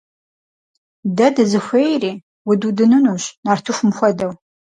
Дэ дызыхуейри? Удудынынущ! Нартыхум хуэдэу.